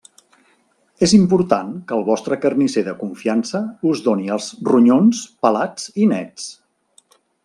És important que el vostre carnisser de confiança us doni els ronyons pelats i nets.